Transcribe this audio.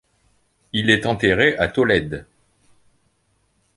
Il est enterré à Tolède.